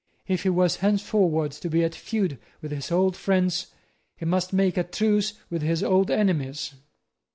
If he was henceforward to be at feud with his old friends, he must make a truce with his old enemies.